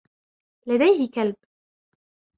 لديه كلب.